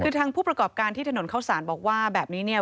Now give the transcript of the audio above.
คือทางผู้ประกอบการที่ถนนเข้าสารบอกว่าแบบนี้เนี่ย